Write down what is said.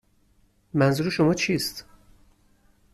منظور شما چیست؟